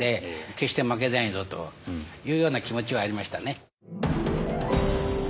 決して負けないぞというような気持ちはありましたね。